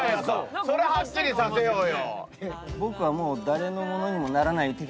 それはっきりさせようよ。